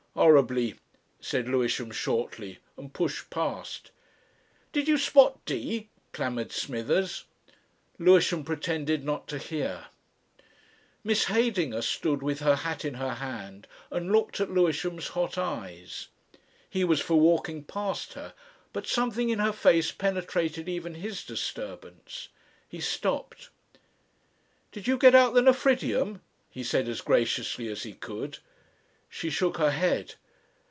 "Horribly," said Lewisham shortly, and pushed past. "Did you spot D?" clamoured Smithers. Lewisham pretended not to hear. Miss Heydinger stood with her hat in her hand and looked at Lewisham's hot eyes. He was for walking past her, but something in her face penetrated even his disturbance. He stopped. "Did you get out the nephridium?" he said as graciously as he could. She shook her head.